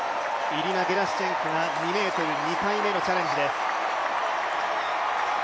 イリナ・ゲラシュチェンコは２ｍ、２回目のチャレンジです。